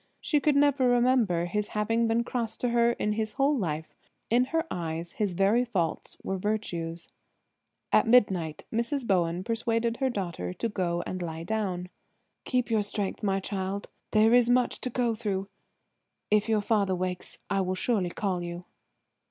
She could never remember his having been cross to her in his whole life. In her eyes his very faults were virtues. At midnight Mrs. Bowen persuaded her daughter to go and lie down. "Keep your strength, my child, there is much to go through. If your father wakes I will surely call you."